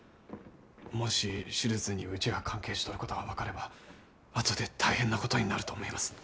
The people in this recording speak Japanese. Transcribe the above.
もし手術にうちが関係しとることが分かれば後で大変なことになると思います。